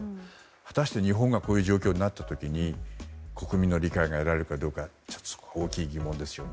果たして日本がこういう状況になった時に国民の理解が得られるかどうかそこは大きい疑問ですね。